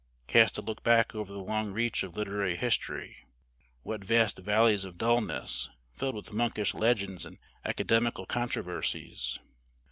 Cast a look back over the long reach of literary history. What vast valleys of dulness, filled with monkish legends and academical controversies!